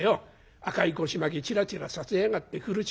赤い腰巻きチラチラさせやがって風呂敷